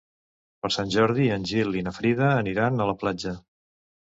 Per Sant Jordi en Gil i na Frida aniran a la platja.